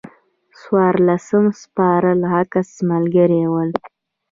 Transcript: څوارلس سپاره عسکر ملګري ول.